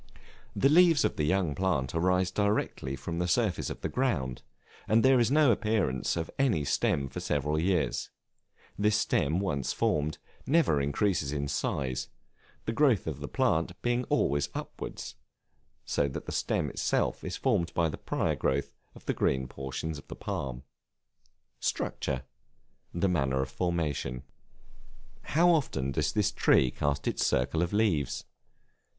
The leaves of the young plant arise directly from the surface of the ground, and there is no appearance of any stem for several years; this stem once formed, never increases in size, the growth of the plant being always upward, so that the stem itself is formed by the prior growth of the green portions of the palm. Structure, the manner of formation. How often does this tree cast its circle of leaves?